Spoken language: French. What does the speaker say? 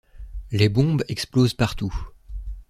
Les bombes explosent partout.